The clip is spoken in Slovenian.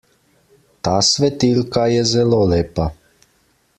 Ta svetilka je zelo lepa.